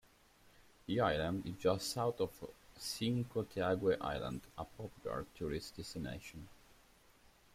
The island is just south of Chincoteague Island, a popular tourist destination.